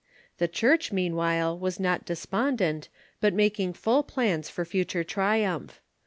The Church, meanwhile, was not despondent, but making full plans for future triumph.